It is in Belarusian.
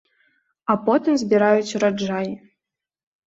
А потым збіраюць ураджай.